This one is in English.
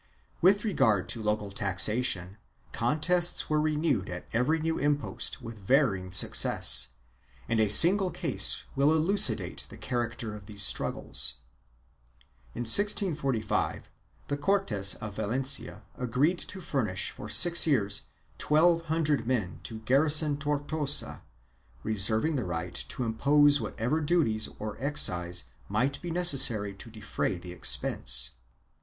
1 With regard to local taxation, contests were renewed at every new impost with varying success, and a single case will elucidate the character of these struggles. In 1645 the Cortes of Valencia agreed to furnish for six years twelve hundred men to garrison Tortosa, reserving the right to impose whatever duties or excise might be necessary to defray the expense.